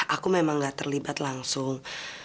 aku memang gak terlibat langsung